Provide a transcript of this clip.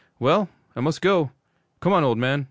'Well, I must go. Come on, old man.